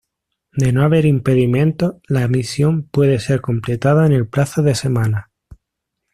De no haber impedimentos la misión puede ser completada en el plazo de semanas.